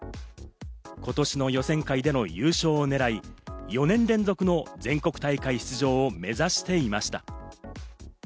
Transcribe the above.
今年の予選会での優勝をねらい、４年連続の全国大会出場を目指していました。